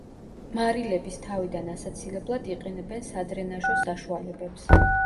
მარილების თავიდან ასაცილებლად იყენებენ სადრენაჟო საშუალებებს.